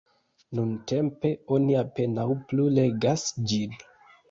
Nuntempe oni apenaŭ plu legas ĝin.